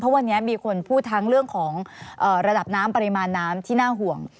วันนี้มีคนพูดทั้งเรื่องของระดับน้ำปริมาณน้ำที่น่าห่วง